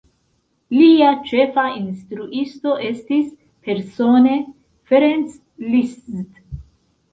Lia ĉefa instruisto estis persone Ferenc Liszt.